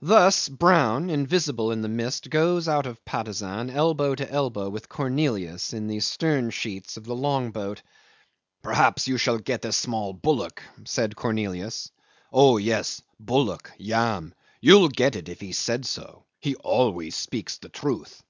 'Thus Brown, invisible in the mist, goes out of Patusan elbow to elbow with Cornelius in the stern sheets of the long boat. "Perhaps you shall get a small bullock," said Cornelius. "Oh yes. Bullock. Yam. You'll get it if he said so. He always speaks the truth.